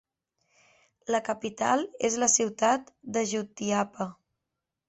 La capital és la ciutat de Jutiapa.